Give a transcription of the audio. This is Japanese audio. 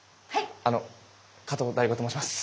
あの加藤大悟と申します。